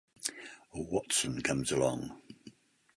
Watson comes along.